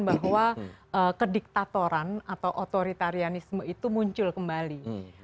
bahwa kediktatoran atau otoritarianisme itu muncul kembali